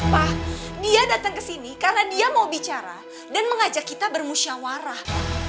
wah dia datang ke sini karena dia mau bicara dan mengajak kita bermusyawarah